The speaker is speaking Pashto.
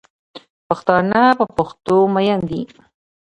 پښتانه په پښتو میین دی